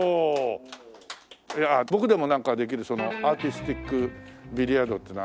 僕でもなんかできるアーティスティックビリヤードっていうのは。